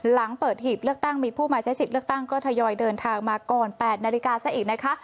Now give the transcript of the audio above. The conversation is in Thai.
หลังเปิดหีบเลือกตั้งมีผู้มาใช้สิทธิ์เลือกตั้งก็ทยอยเดินทางมาก่อน๘นาฬิกาซะอีกนะคะ